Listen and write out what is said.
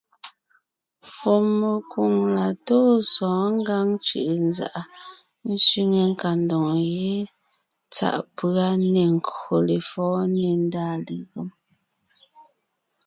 Fùɔmekwoŋ la tóo sɔ̌ɔn Ngǎŋ cʉ̀ʼʉnzàʼa sẅiŋe nkadoŋ ye tsáʼ pʉ́a nê nkÿo lefɔ̌ɔn nê ndàa legém.